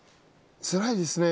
つらいですね。